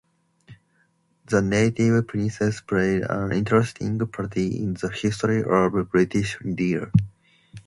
The native princes play an interesting part in the history of British India.